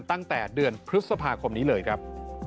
ตั้งแต่เดือนพฤษภาคมนี้เลยครับ